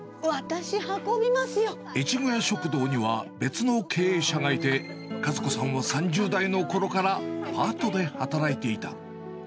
越後屋食堂には、別の経営者がいて、一子さんは３０代のころからパートで働いていた。